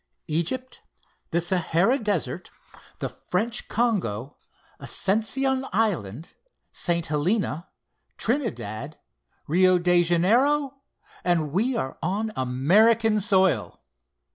"Egypt, the Sahara Desert, the French Congo, Ascension Island, St. Helena, Trinidad, Rio Janeiro, and we are on American soil."